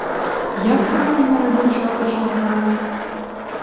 Як то можна не держати журналів?